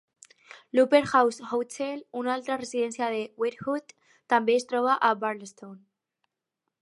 L"Upper House Hotel, una altra residència de Wedgwood, també es troba a Barlaston.